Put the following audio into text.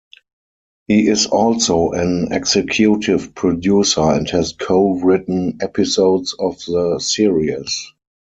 He is also an executive producer and has co-written episodes of the series.